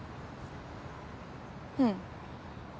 うん。